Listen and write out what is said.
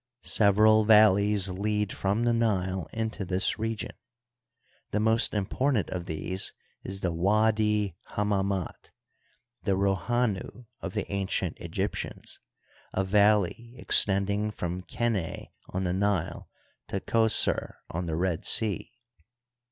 Sev eral valleys lead from the Nile into this region. The most important of these is the Widi Hammam^t, the Rohanu of the ancient Egyptians, a valley extending from Qeneh on the Nile to Qos^r, on the Red Sea.